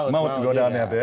mau juga mau